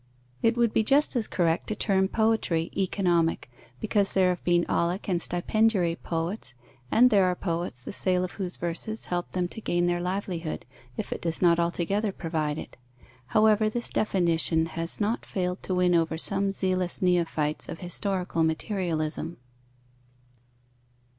It would be just as correct to term poetry economic, because there have been aulic and stipendiary poets, and there are poets the sale of whose verses helps them to gain their livelihood, if it does not altogether provide it. However, this definition has not failed to win over some zealous neophytes of historical materialism.